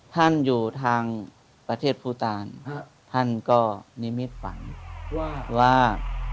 ท่านอยู่ทางประเทศภูตาลท่านก็นิมิตฝันว่า